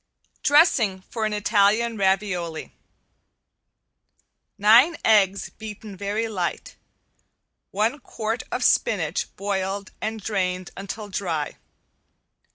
~DRESSING FOR ITALIAN RAVIOLI~ Nine eggs beaten very light. One quart of spinach boiled and drained until dry.